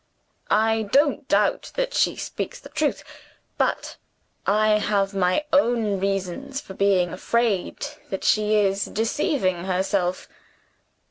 I don't doubt that she speaks the truth but I have my own reasons for being afraid that she is deceiving herself.